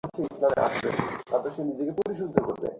তোমার পানিটা দাও।